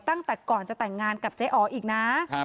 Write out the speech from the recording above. ตั้งแต่ก่อนจะแต่งงานกับเจ๊อ๋ออีกนะ